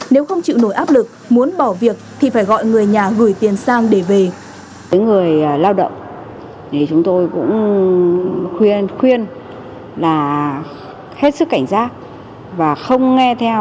nếu không chịu nổi áp lực muốn bỏ việc thì phải gọi người nhà gửi tiền sang để về